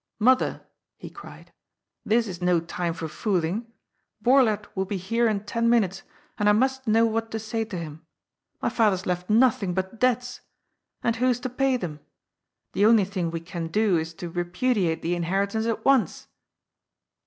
" Mother !" he cried. " This is no time for fooling. Borlett will be here in ten minutes, and I must know what to say to him. My father's left nothing but debts. And who's to pay them ? The only thing we can do is to repu diate the inheritance at once."